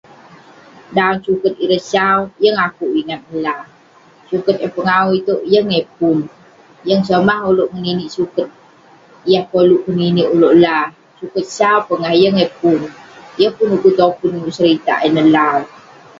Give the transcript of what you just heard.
Dan suket ireh sau, yeng akouk ingat eh la. Suket eh pengawu itouk yeng eh pun. Yeng somah ulouk ngeninik suket yah koluk keninik ulouk la, suket sau pongah yeng eh pun. Yeng pun ukun topun ulouk seritak ineh la lah.